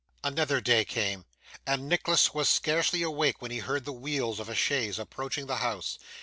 Another day came, and Nicholas was scarcely awake when he heard the wheels of a chaise approaching the house.